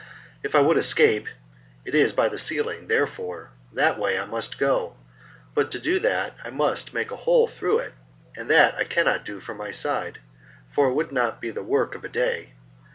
If I would escape, it is by the ceiling, therefore, that way I must go, but to do that I must make a hole through it, and that I cannot do from my side, for it would not be the work of a day.